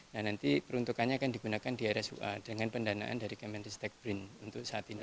dan nanti peruntukannya akan digunakan di rsua dengan pendanaan dari kementerian stake print untuk saat ini